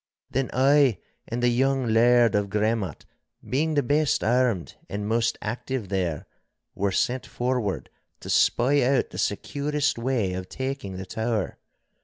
Then I and the young Laird of Gremmat, being the best armed and most active there, were sent forward to spy out the securest way of taking the tower.